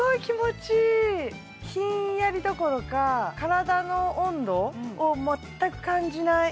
ひんやりどころか体の温度を全く感じない